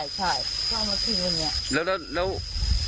ใช่เข้ามาทิ้งตรงนี้